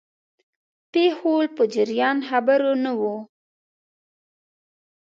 پیښو په جریان خبر نه وو.